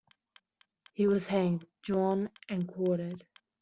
He was hanged, drawn and quartered.